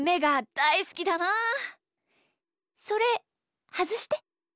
それはずして。